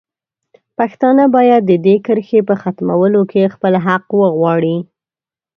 پښتانه باید د دې کرښې په ختمولو کې خپل حق وغواړي.